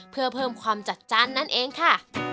เพื่อเพิ่มความจัดจ้านนั่นเองค่ะ